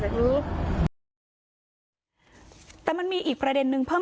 เชิงชู้สาวกับผอโรงเรียนคนนี้